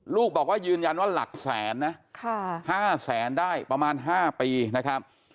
ลูกบอกว่ายืนยันว่าหลักแสนนะ๕แสนได้ประมาณ๕ปีนะครับ